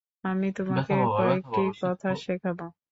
আমি তোমাকে কয়েকটি কথা শেখাব।